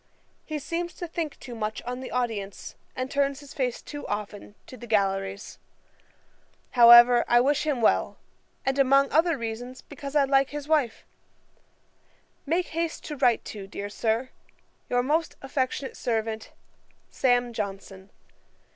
He seems to think too much on the audience, and turns his face too often to the galleries. 'However, I wish him well; and among other reasons, because I like his wife. 'Make haste to write to, dear Sir, 'Your most affectionate servant, 'SAM. JOHNSON.'